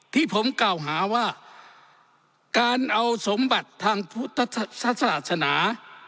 ที่ผมกล่าวหาว่าการเอาสมบัติทางพุทธศาสนา